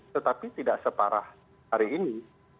tetapi tidak separah hari ini